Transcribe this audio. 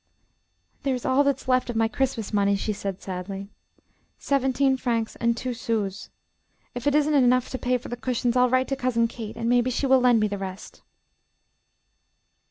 "There's all that is left of my Christmas money," she said, sadly, "seventeen francs and two sous. If it isn't enough to pay for the cushions, I'll write to Cousin Kate, and maybe she will lend me the rest."